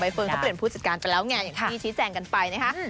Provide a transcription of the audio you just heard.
เบอร์เฟิร์นเขาเปลี่ยนผู้จัดการไปแล้วไงมีชีวิตแจ่งไปนะคะ